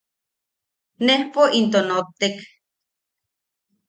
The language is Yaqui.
Nejpo into nottek.